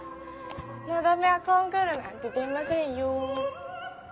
のだめはコンクールなんて出ませんよー。